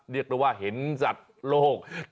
เรียกได้ว่าเห็นสัตว์โลก